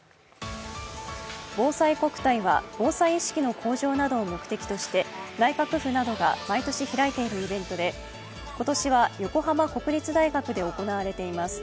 ぼうさいこくたいは防災意識の向上などを目的として、内閣府などが毎年開いているイベントで、今年は横浜国立大学で行われています。